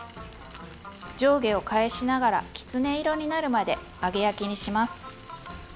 上下を返しながらきつね色になるまで揚げ焼きにします。